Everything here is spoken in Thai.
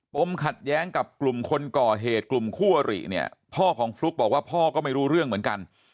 มขัดแย้งกับกลุ่มคนก่อเหตุกลุ่มคู่อริเนี่ยพ่อของฟลุ๊กบอกว่าพ่อก็ไม่รู้เรื่องเหมือนกัน